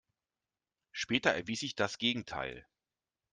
Später erwies sich das Gegenteil.